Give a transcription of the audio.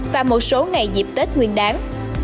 và một số ngày dịp tết nguyên đám